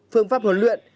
phương pháp huấn luyện